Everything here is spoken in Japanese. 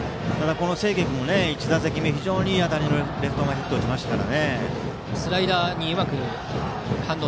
この清家君も１打席目いい当たりのレフト前ヒットでしたから。